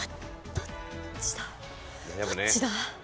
どっちだ？